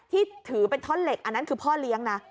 ที่ถือเป็นลิสต์อีกอันนั้นคือพ่อเลี้ยงนะ